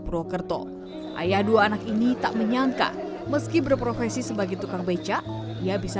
purwokerto ayah dua anak ini tak menyangka meski berprofesi sebagai tukang becak ia bisa